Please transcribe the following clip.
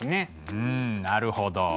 うんなるほど。